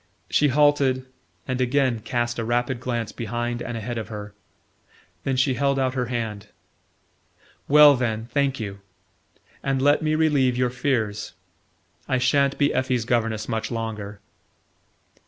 She halted, and again cast a rapid glance behind and ahead of her. Then she held out her hand. "Well, then, thank you and let me relieve your fears. I sha'n't be Effie's governess much longer."